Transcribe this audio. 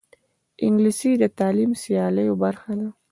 انګلیسي د تعلیمي سیالیو برخه ده